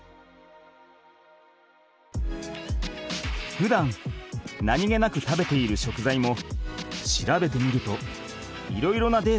ふだん何気なく食べている食材も調べてみるといろいろなデータが発見できる。